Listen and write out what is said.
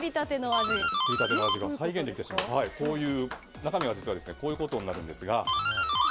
中身はこういうことになるんですが。